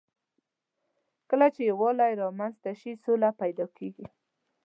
کله چې یووالی رامنځ ته شي، سوله پيدا کېږي.